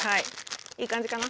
いい感じかな。